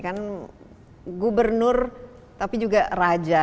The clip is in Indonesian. kan gubernur tapi juga raja